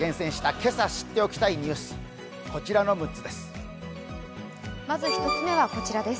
今朝知っておきたいニュースこちらの６つです。